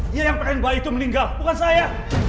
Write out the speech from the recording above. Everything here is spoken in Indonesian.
dia yang pengen bayi itu meninggal bukan saya